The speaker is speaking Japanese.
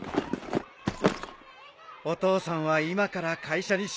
お父さんは今から会社に出勤だ。